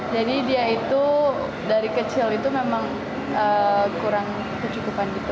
jadi dia itu dari kecil itu memang kurang kecukupan gitu